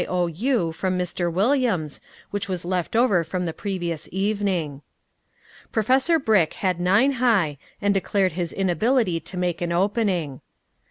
O.U. from Mr. Williams which was left over from the previous meeting. Professor Brick had nine high and declared his inability to make an opening.